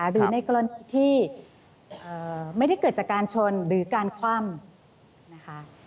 หรือในกรณีที่ไม่ได้เกิดจากการชนหรือการคว่ำนะคะ